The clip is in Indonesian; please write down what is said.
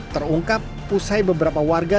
terungkap pusai beberapa warga